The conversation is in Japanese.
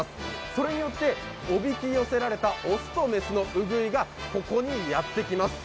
それによって、おびき寄せられた雄と雌のウグイがここにやってきます。